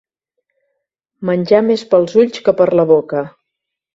Menjar més pels ulls que per la boca.